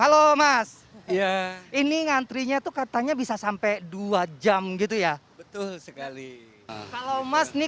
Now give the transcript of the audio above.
halo mas ya ini ngantrinya tuh katanya bisa sampai dua jam gitu ya betul sekali kalau mas nih